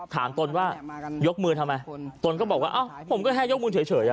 ตนว่ายกมือทำไมตนก็บอกว่าอ้าวผมก็แค่ยกมือเฉยอ่ะ